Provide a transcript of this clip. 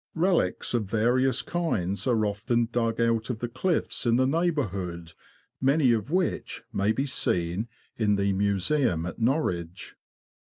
Relics of various kinds are often dug out of the cliffs in the neighbourhood, many of which may be seen in the Museum at Norwich.